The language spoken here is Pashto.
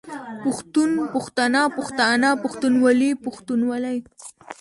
پښتون، پښتنه، پښتانه، پښتونولي، پښتونولۍ